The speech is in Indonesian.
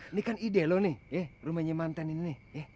ini kan ide lo nih rumahnya mantan ini